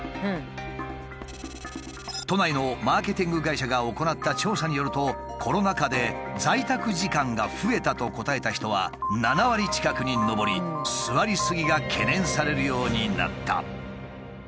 都内のマーケティング会社が行った調査によると「コロナ禍で在宅時間が増えた」と答えた人は７割近くに上り座りすぎが懸念されるようになった。